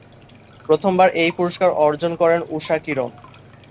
প্রথমবার এই পুরস্কার অর্জন করেন ঊষা কিরণ।